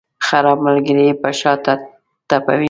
خراب ملګري یې په شاته ټپوي.